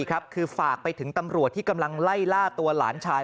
คือฝากไปถึงตำรวจที่กำลังไล่ล่าตัวหลานชาย